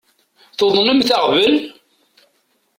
Tuḍnemt aɣbel?